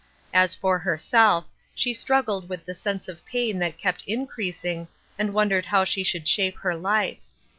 As for herself, she struggled with the sense of pain that kept increasing, and wondered how she should shape her life.